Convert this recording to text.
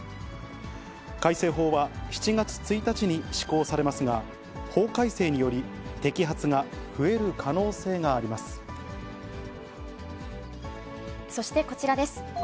改正法は７月１日に施行されますが、法改正により、摘発が増えるそしてこちらです。